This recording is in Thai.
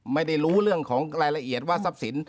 ไม่ได้รู้เรื่องของรายละเอียดว่าทรัพย์สิน